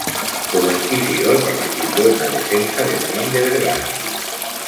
Como inquisidor participó en la defensa de Juan de Vergara.